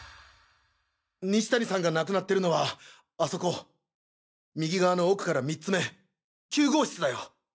西谷さんが亡くなってるのはあそこ右側の奥から３つめ９号室だよ。